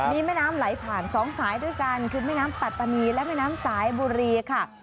มีแม่น้ำไหลผ่านสองสายด้วยกันคือแม่น้ำปัตตานีและแม่น้ำสายบุรีค่ะ